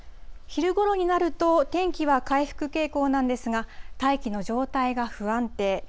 昼ごろになると、天気は回復傾向なんですが、大気の状態が不安定。